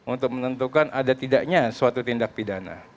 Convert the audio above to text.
untuk menentukan ada tidaknya suatu tindak pidana